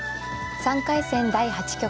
３回戦第８局。